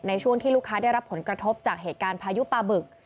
ในช่วงที่ลูกค้าได้รับผลกระทบจากเหตุการณ์พายุปลาบึก